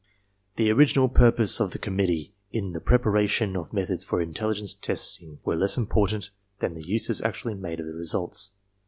The original purposes of the committee in the preparation of methods for intelligence testing were less important than the uses actually made of the results.